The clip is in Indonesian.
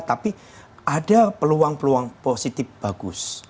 tapi ada peluang peluang positif bagus